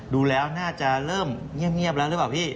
ดูแล้วน่าจะเริ่มเงียบแล้วหรือเปล่าพี่